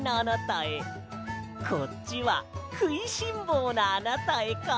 こっちは「くいしんぼうなあなたへ」か。